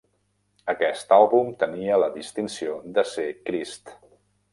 Aquest àlbum tenia la distinció de ser Crist.